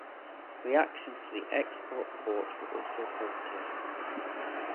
Reactions to the Xbox port were also positive.